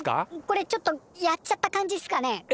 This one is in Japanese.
これちょっとやっちゃった感じっすかねこれ！？